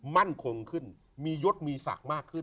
มั่นคงขึ้นมียศมีศักดิ์มากขึ้น